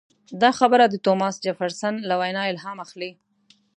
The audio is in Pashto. دا خبره د توماس جفرسن له وینا الهام اخلي.